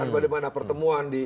bagaimana pertemuan di